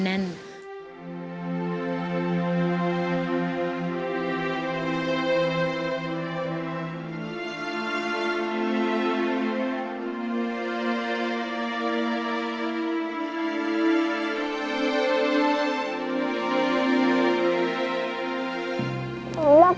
หลับตา